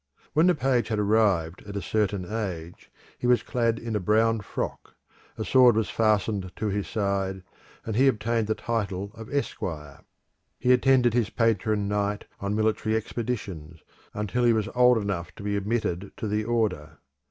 When the page had arrived at a certain age, he was clad in a brown frock; a sword was fastened to his side, and he obtained the title of Esquire. He attended his patron knight on military expeditions, until he was old enough to be admitted to the order.